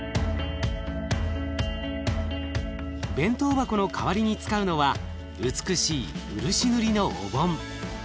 弁当箱の代わりに使うのは美しい漆塗りのお盆。